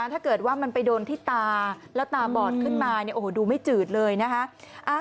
ถ้าเกิดว่ามันไปโดนที่ตาแล้วตาบอดขึ้นมาเนี่ยโอ้โหดูไม่จืดเลยนะคะ